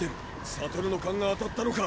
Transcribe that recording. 悟の勘が当たったのか。